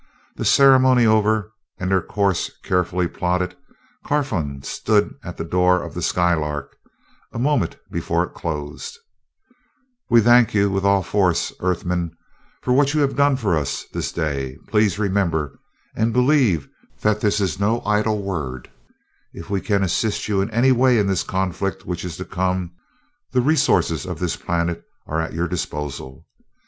The ceremony over and their course carefully plotted, Carfon stood at the door of the Skylark a moment before it closed. "We thank you with all force, Earthmen, for what you have done for us this day. Please remember, and believe that this is no idle word if we can assist you in any way in this conflict which is to come, the resources of this planet are at your disposal.